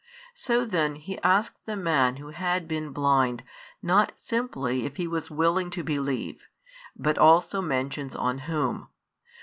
So then He asks the man who had been blind not simply if he was willing to believe, but also mentions on Whom.